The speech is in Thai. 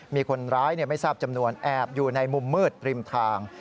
มีคนร้ายไม่ทราบจำนวนแอบอยู่ในมุมมืดริมทาง